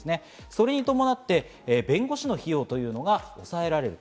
それに伴って、弁護士の費用というのが抑えられる。